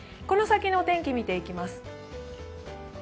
この先のお天気見ていきます。